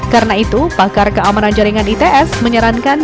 karena itu pakar keamanan jaringan its menyarankan